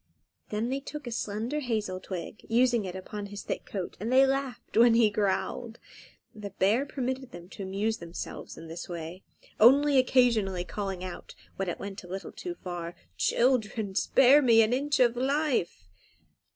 Then they took a slender hazel twig, using it upon his thick coat, and they laughed when he growled. The bear permitted them to amuse themselves in this way, only occasionally calling out, when it went a little too far, "Children, spare me an inch of life!"